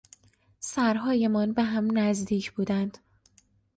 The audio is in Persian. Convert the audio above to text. سرهایمان به هم نزدیک بودند.